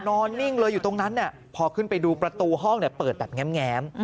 นิ่งเลยอยู่ตรงนั้นพอขึ้นไปดูประตูห้องเปิดแบบแง้ม